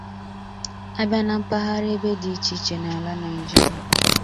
A bịa na mpaghara ebe dị iche iche n'ala Nigeria